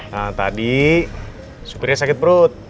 nah tadi supirnya sakit perut